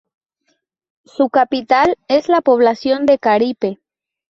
Su capital es la población de Caripe.